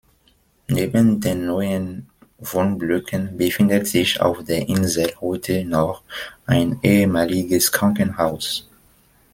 Neben den neuen Wohnblöcken befindet sich auf der Insel heute noch ein ehemaliges Krankenhaus.